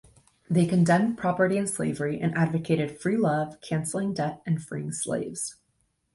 They condemned property and slavery, and advocated free love, canceling debt, and freeing slaves.